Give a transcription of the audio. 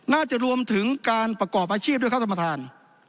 น่าจะรวมถึงการประกอบอาชีพด้วยครับท่านประธาน